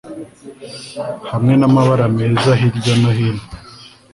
hamwe n'amabara meza hirya no hino